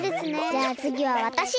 じゃあつぎはわたし！